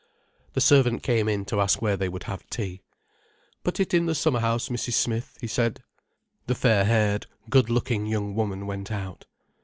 The servant came in to ask where they would have tea. "Put it in the summer house, Mrs. Smith," he said. The fair haired, good looking young woman went out.